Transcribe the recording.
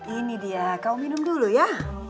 ini dia kau minum dulu ya